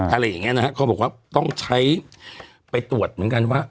อะไรอย่างเงี้นะฮะเขาบอกว่าต้องใช้ไปตรวจเหมือนกันว่า